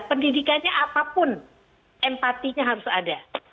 pendidikannya apapun empatinya harus ada